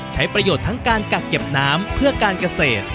ใช้ประโยชน์ทั้งการกักเก็บน้ำเพื่อการเกษตร